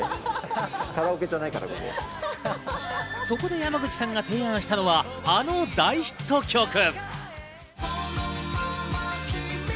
そこで山口さんが提案したのはあの大ヒット曲。